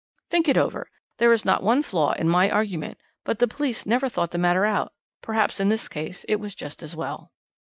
"Think it over. There is not one flaw in my argument, but the police never thought the matter out perhaps in this case it was as well."